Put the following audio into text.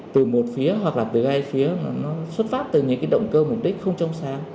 từ một phía hoặc là từ hai phía nó xuất phát từ những cái động cơ mục đích không trong sáng